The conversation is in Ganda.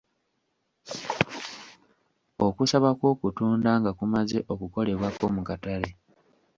Okusaba kw'okutunda nga kumaze okukolebwako mu katale.